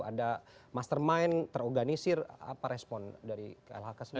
ada mastermind terorganisir apa respon dari klhk sendiri